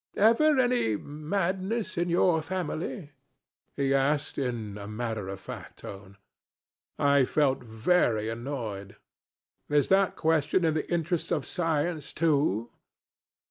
'Ever any madness in your family?' he asked, in a matter of fact tone. I felt very annoyed. 'Is that question in the interests of science too?'